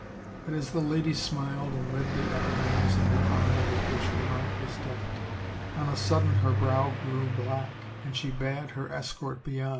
But as the lady smiled and read the epigrams in her honor with which the mount was decked, on a sudden her brow grew black and she bade her escort be on.